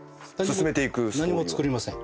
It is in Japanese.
何も作りません。